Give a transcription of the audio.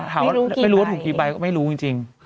ถามว่าไม่รู้ว่าถูกกี่ใบก็ไม่รู้จริง